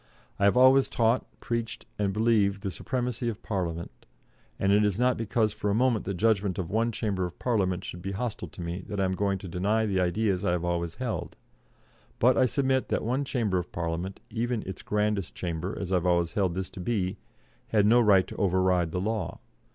I have always taught, preached, and believed the supremacy of Parliament, and it is not because for a moment the judgment of one Chamber of Parliament should be hostile to me that I am going to deny the ideas I have always held; but I submit that one Chamber of Parliament even its grandest Chamber, as I have always held this to be had no right to override the law.